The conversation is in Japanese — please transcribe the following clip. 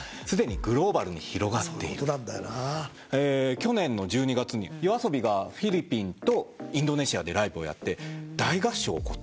去年の１２月にＹＯＡＳＯＢＩがフィリピンとインドネシアでライブをやって大合唱が起こってた。